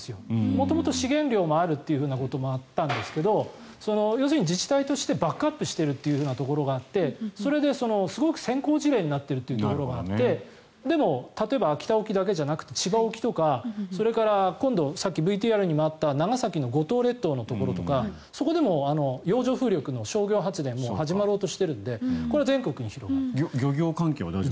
元々、資源量もあるということもあったんですが要するに、自治体としてバックアップしているというところがあってそれですごく、先行事例になっているところがあってでも、例えば秋田沖だけじゃなくて千葉沖とかそれから、ＶＴＲにもあった長崎の五島列島のところとかそこでも洋上風力の商業発電がもう始まろうとしているので漁業関係は大丈夫？